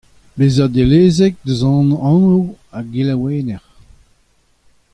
Bezañ dellezek eus an anv a gelaouenner.